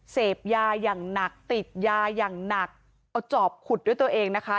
เสพยาอย่างหนักติดยาอย่างหนักเอาจอบขุดด้วยตัวเองนะคะ